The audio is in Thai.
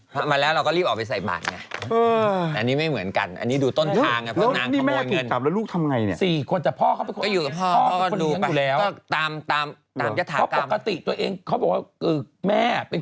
พ่อมาแล้วเราก็รีบออกไปใส่บัตรไงอันนี้ไม่เหมือนกัน